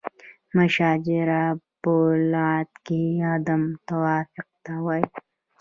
مشاجره په لغت کې عدم توافق ته وایي.